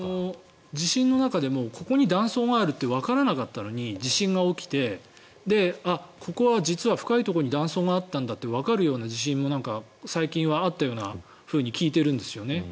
地震の中でもここに断層があるってわからなかったのに地震が起きてここは実は深いところに断層があったんだってわかるような地震も最近はあったように聞いてるんですよね。